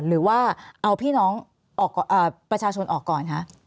หรือว่าเอาพี่น้องประชาชนออกก่อนคะ